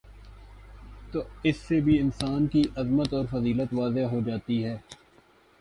تو اس سے بھی انسان کی عظمت اور فضیلت واضح ہو جاتی ہے